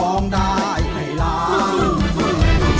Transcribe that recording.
ร้องได้ให้ร้อง